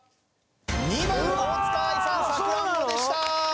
２番大塚愛さん『さくらんぼ』でした。